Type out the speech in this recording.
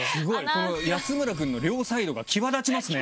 この安村くんの両サイドが際立ちますね。